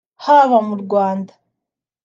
haba mu Rwanda